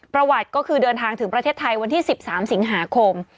ประวัติก็คือเดินทางถึงประเทศไทยวันที่๑๓สิงหาคม